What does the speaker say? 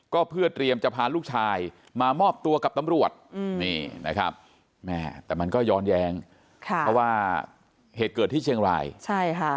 ก็เพื่อเตรียมจะพาลูกชายมามอบตัวกับตำรวจแต่มันก็ย้อนแยงเพราะว่าเหตุเกิดที่เชียงไลน์